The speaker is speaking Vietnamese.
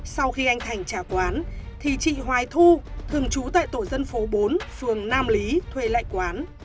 sau khi anh thành trả quán thì chị hoài thu thường trú tại tổ dân phố bốn phường nam lý thuê lại quán